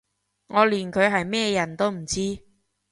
我連佢係咩人都唔知